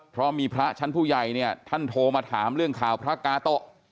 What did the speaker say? เพราะมีพระชั้นผู้ใหญ่เนี่ยท่านโทรมาถามเรื่องข่าวพระกาโตะ